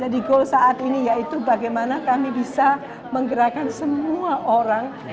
jadi goal saat ini yaitu bagaimana kami bisa menggerakkan semua orang